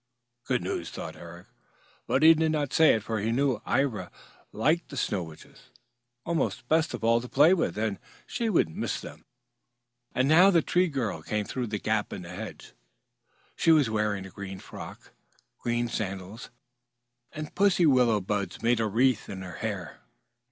"Good news!" thought Eric. But he did not say it for he knew Ivra liked the Snow Witches almost best of all to play with and would miss them. Now the Tree Girl came through the gap in the hedge. She was wearing a green frock, green sandals, and pussy willow buds made a wreath in her hair.